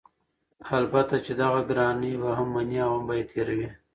البته چې دغه ګرانی به هم مني او هم به یې تېروي؛